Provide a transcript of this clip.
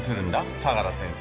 相良先生。